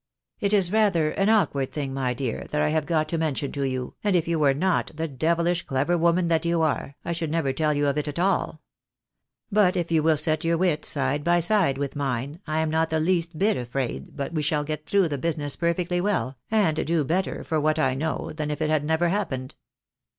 " It is rather an awkward thing, my dear, that I have got to mention to you, and if you were not the devilish clever woman that you are, I should never tell you of it at all. But if you will B 18 THE BAENABYS IN AMERICA. set your wit side by side with mine, I am not the least bit afraid but what we shall get through the business perfectly well, and do better, for what I know, than if it had never happened."